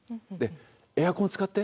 エアコン使って。